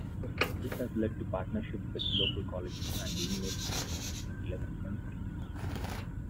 This has led to partnership with local colleges and universities in eleven countries.